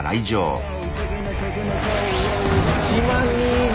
１万人以上！